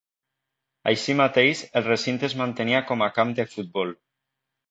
Així mateix, el recinte es mantenia com a camp de futbol.